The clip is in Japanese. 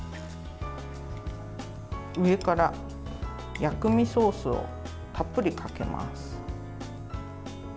上から薬味ソースをたっぷりかけます。